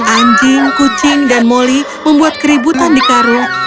anjing kucing dan moli membuat keributan di karung